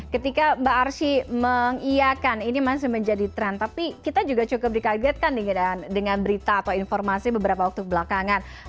ketika mbak arsy mengiakan ini masih menjadi tren tapi kita juga cukup dikagetkan dengan berita atau informasi beberapa waktu belakangan